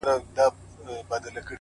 زه مي دوې نښي د خپل یار درته وایم,